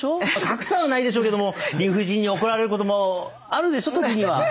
賀来さんはないでしょうけども理不尽に怒られることもあるでしょう時には。